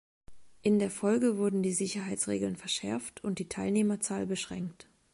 In der Folge wurden die Sicherheitsregeln verschärft und die Teilnehmerzahl beschränkt.